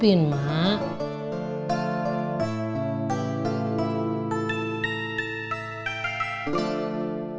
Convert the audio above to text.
ya disanggup sanggupin